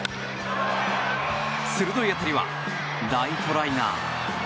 鋭い当たりはライトライナー。